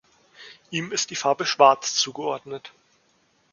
Ihm ist die Farbe Schwarz zugeordnet.